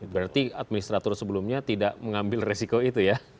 berarti administratur sebelumnya tidak mengambil risiko itu ya